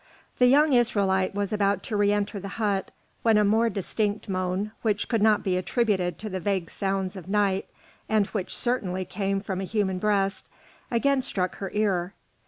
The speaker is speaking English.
The young Israelite was about to re enter the hut when a more distinct moan, which could not be attributed to the vague sounds of night, and which certainly came from a human breast, again struck her ear.